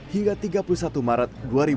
hingga tiga puluh satu maret dua ribu dua puluh